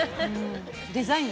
デザイン。